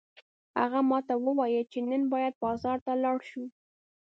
هغه ماته وویل چې نن باید بازار ته لاړ شو